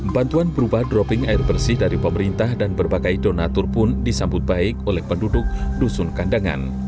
bantuan berupa dropping air bersih dari pemerintah dan berbagai donatur pun disambut baik oleh penduduk dusun kandangan